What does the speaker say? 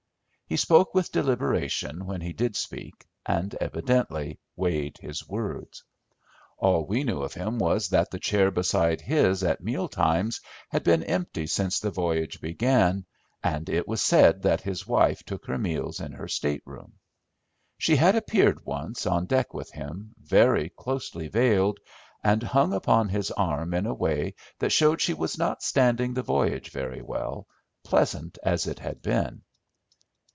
He spoke with deliberation when he did speak, and evidently, weighed his words. All we knew of him was that the chair beside his at meal times had been empty since the voyage began, and it was said that his wife took her meals in her state room. She had appeared once on deck with him, very closely veiled, and hung upon his arm in a way that showed she was not standing the voyage very well, pleasant as it had been.